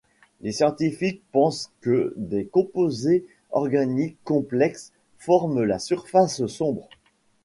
Les scientifiques pensent que des composés organiques complexes forment la surface sombre.